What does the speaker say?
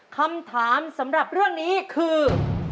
คำถามสำหรับเรื่องนี้คือ